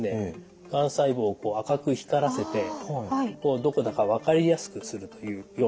がん細胞を赤く光らせてどこだか分かりやすくするというようなことも。